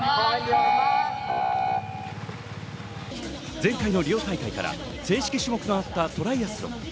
前回のリオ大会から正式種目となったトライアスロン。